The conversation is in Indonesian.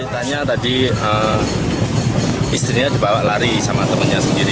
ternyata tadi istrinya dibawa lari sama temannya sendiri